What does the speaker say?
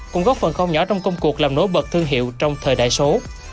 cũng góp phần không nhỏ trong công cuộc làm nối bật thương hiệu trong thời đại số